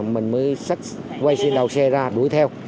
mình mới sách quay trên đầu xe ra đuổi theo